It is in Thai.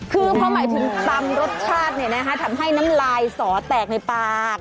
คือพอหมายถึงตำรสชาติทำให้น้ำลายสอแตกในปาก